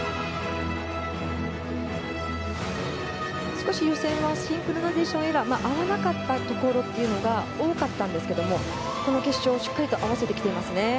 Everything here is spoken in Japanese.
少し予選はシンクロナイゼーションエラー合わなかったところが多かったんですけどもこの決勝はしっかりと合わせてきていますね。